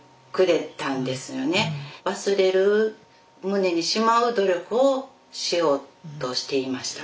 忘れる胸にしまう努力をしようとしていました。